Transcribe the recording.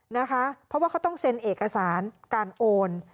นะคะเพราะว่าเขาต้องเซ็นเอกสารการโอน